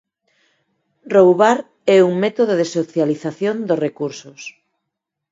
Roubar é un método de socialización dos recursos.